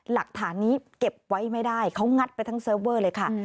หลักฐานนี้เก็บไว้ไม่ได้เขางัดไปทั้งเซิร์ฟเวอร์เลยค่ะ